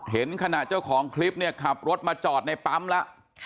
เห็นขณะเจ้าของคลิปขับรถมาจอดในปั๊มละ